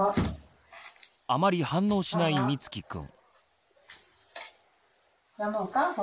あまり反応しないみつきくん。